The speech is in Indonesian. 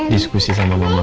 diskusi sama mama dulu ya